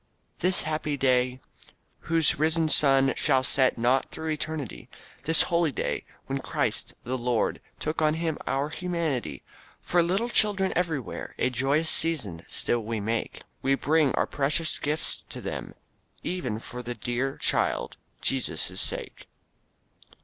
"This happy day, whose risen sun Shall set not through eternity; This holy day, when Christ, the Lord, Took on him our humanity; For little children everywhere A joyous season still we make; We bring our precious gifts to them, Even for the dear Child, Jesus' sake."